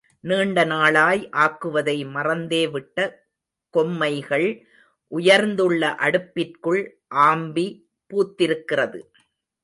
நீண்ட நாளாய் ஆக்குவதை மறந்தே விட்ட கொம்மைகள் உயர்ந்துள்ள அடுப்பிற்குள் ஆம்பி பூத்திருக்கிறது.